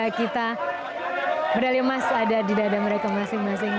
semoga kita medali emas ada di dada mereka masing masing